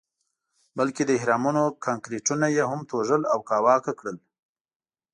بلکې د اهرامونو کانکریټونه یې هم توږل او کاواکه کړل.